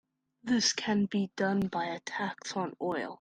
This can be done by a tax on oil.